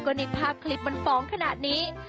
ก็ในภาพคลิปมันฟ้องขนาดนี้